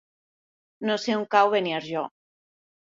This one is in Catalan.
No sé on cau Beniarjó.